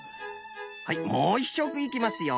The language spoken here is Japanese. はいもう１しょくいきますよ。